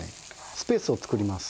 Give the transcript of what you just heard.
スペースを作ります。